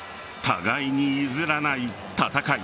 互いに譲らない戦い。